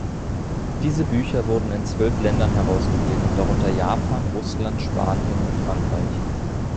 Diese Bücher wurden in zwölf Ländern herausgegeben, darunter Japan, Russland, Spanien und Frankreich.